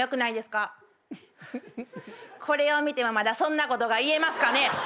これを見てもまだそんなことが言えますかね？